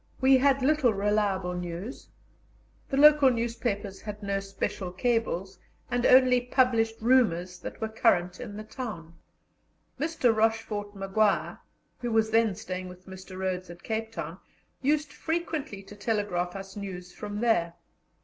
We had little reliable news; the local newspapers had no special cables, and only published rumours that were current in the town. Mr. Rochfort Maguire, who was then staying with Mr. Rhodes at Cape Town, used frequently to telegraph us news from there.